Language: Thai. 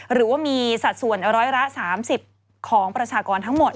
หรือว่ามีสัดส่วนร้อยละ๓๐ของประชากรทั้งหมด